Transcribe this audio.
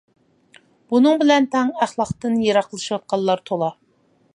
بۇنىڭ بىلەن تەڭ ئەخلاقتىن يىراقلىشىۋاتقانلار تولا.